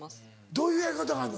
どういうやり方があんの？